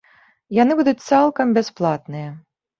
Яны будуць цалкам бясплатныя.